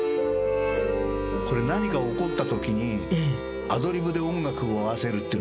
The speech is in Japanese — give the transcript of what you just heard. これ何か起こったときにアドリブで音楽を合わせるっていうの知ってました？